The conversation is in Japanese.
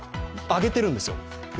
揚げてるんですよ